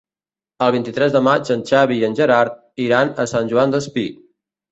El vint-i-tres de maig en Xavi i en Gerard iran a Sant Joan Despí.